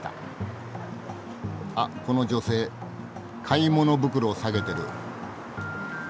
あっこの女性買い物袋を提げてる。